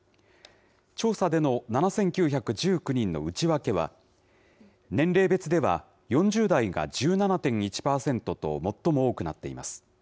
調査での７９１９人の内訳は、年齢別では４０代が１７．１％と最も多くなっています。